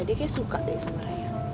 dia kayaknya suka deh sama raya